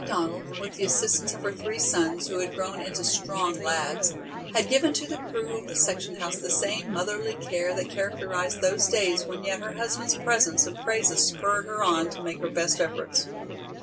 ] Mrs. McDonald, with the assistance of her three sons, who had grown into strong lads, had given to the crew of the section house the same motherly care that characterized those days when yet her husband's presence and praises spurred her on to make her best efforts.